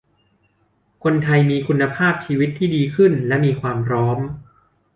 คนไทยมีคุณภาพชีวิตที่ดีขึ้นและมีความพร้อม